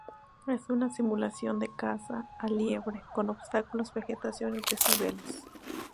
Es una simulación de caza a la liebre con obstáculos, vegetación y desniveles.